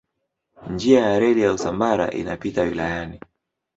Njia ya reli ya Usambara inapita wilayani.